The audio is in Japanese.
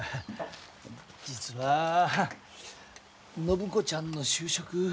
実は暢子ちゃんの就職。